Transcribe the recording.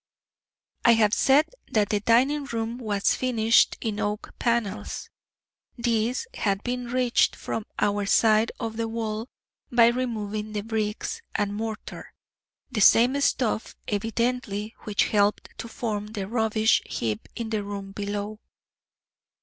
I have said that the dining room was finished in oak panels. These had been reached from our side of the wall by removing the bricks and mortar the same stuff evidently which helped to form the rubbish heap in the room below.